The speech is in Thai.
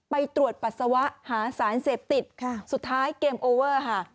ไปตรวจปัสสาวะหาสารเสพติดค่ะสุดท้ายเกมโอเวอร์ค่ะ